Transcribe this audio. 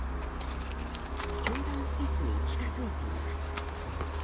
教団施設に近づいてみます。